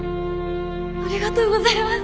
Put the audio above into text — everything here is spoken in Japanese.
ありがとうございます。